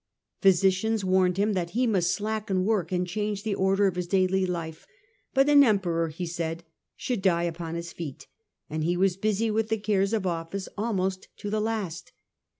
Physicians warned him that he must slacken work and change the order of his daily life, but ' an emperor,' he said. * should die upon his feet ;' and he was busy with the cares of office almost to the last.